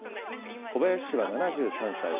小林氏は７３歳。